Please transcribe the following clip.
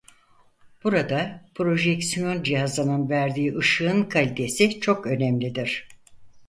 Burada projeksiyon cihazının verdiği ışığın kalitesi çok önemlidir.